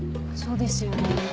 そうですよね。